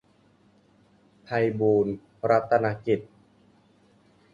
ไพบูลย์รัตนกิจ